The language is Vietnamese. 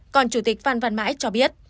còn chủ tịch phan văn mãi cho biết